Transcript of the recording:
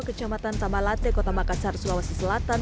kecamatan tamalate kota makassar sulawesi selatan